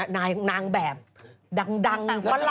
นางแบบดังฝรั่ง